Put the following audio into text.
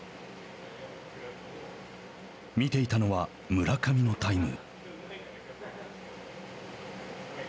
見ていたのは、村上のタイム。